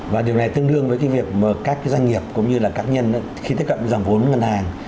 và điều này tương đương với cái việc mà các doanh nghiệp cũng như là cá nhân khi tiếp cận giảm vốn ngân hàng